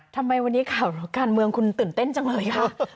ทำไมวันนี้ข่าวการเมืองคุณตื่นเต้นจังเลยค่ะ